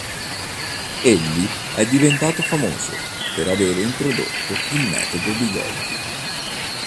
Egli è diventato famoso per aver introdotto il metodo di Golgi.